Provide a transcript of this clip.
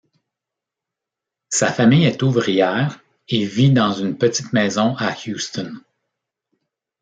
Sa famille est ouvrière et vit dans une petite maison à Houston.